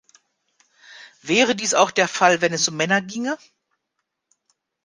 Wäre dies auch der Fall, wenn es um Männer ginge?